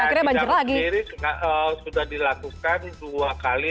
iya kita sendiri sudah dilakukan dua kali